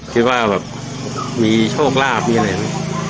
คิดว่าแบบมีโชคราบมีอะไรมั้ย